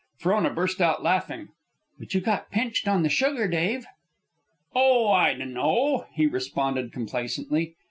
Frona burst out laughing. "But you got pinched on the sugar, Dave." "Oh, I dunno," he responded, complacently.